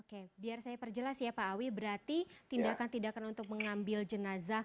oke biar saya perjelas ya pak awi berarti tindakan tindakan untuk mengambil jenazah